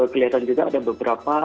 kelihatan juga ada beberapa